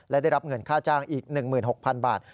และได้รับเงินค่าจ้างอีก๑๖๐๐๐บาท